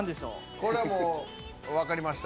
これはもう分かりました。